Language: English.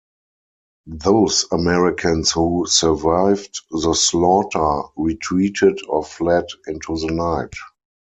Those Americans who survived the slaughter retreated or fled into the night.